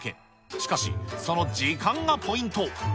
しかし、その時間がポイント。